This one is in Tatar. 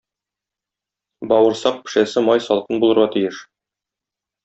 Бавырсак пешәсе май салкын булырга тиеш.